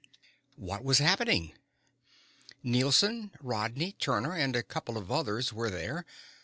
"What was happening?" "Nielson, Rodney, Turner, and a couple of others were there.